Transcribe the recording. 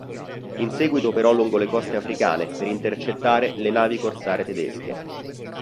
In seguito operò lungo le coste africane per intercettare le navi corsare tedesche.